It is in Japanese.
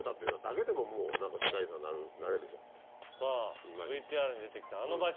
さぁＶＴＲに出てきたあの場所